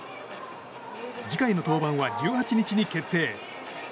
次回の登板は１８日に決定。